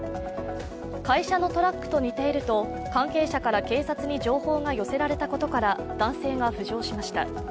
会社のトラックと似ていると関係者から警察に情報が寄せられたことから男性が浮上しました。